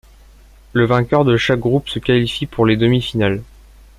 Le vainqueur de chaque groupe se qualifie pour les demi-finales.